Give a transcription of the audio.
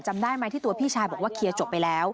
จำได้ไหมที่ตัวพี่ชายบอกว่าเคลียร์จบไปแล้ว